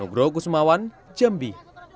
nugroh kusumawan jambi